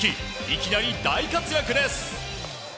いきなり大活躍です。